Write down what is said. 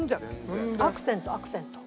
アクセントアクセント。